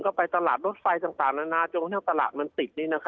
ก็ไปตลาดรถไฟต่างนานาจนกระทั่งตลาดมันติด